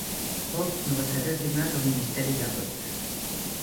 Cobb no va ser designat al Ministeri d'Abbott.